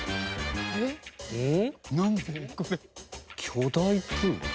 巨大プール？